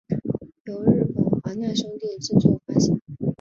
由日本华纳兄弟制作发行。